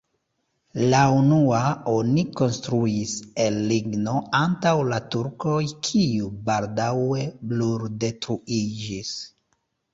La unuan oni konstruis el ligno antaŭ la turkoj, kiu baldaŭe bruldetruiĝis.